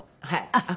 あっ。